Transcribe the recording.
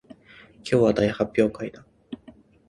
今日は大発会だ